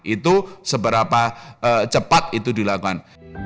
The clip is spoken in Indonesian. itu seberapa cepat itu dilakukan